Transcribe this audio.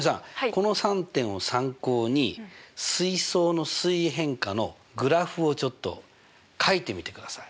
この３点を参考に水槽の水位変化のグラフをちょっとかいてみてください。